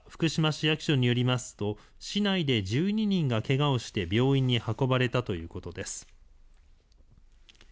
このほか福島市役所によりますと市内で１２人がけがをして病院に運ばれたということです。